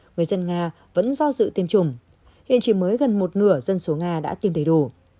người dân nga vẫn do dự tiêm chủng hiện chỉ mới gần một nửa dân số nga đã tiêm đầy đủ